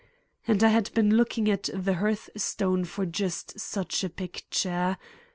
_ And I had been looking at the hearthstone for just such a picture!